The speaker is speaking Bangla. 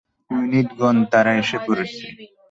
ইউনিটগণ, তারা এসে পড়েছে।